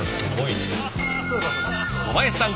小林さん